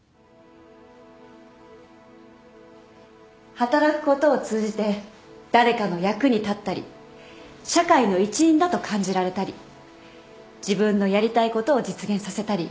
働くことを通じて誰かの役に立ったり社会の一員だと感じられたり自分のやりたいことを実現させたり。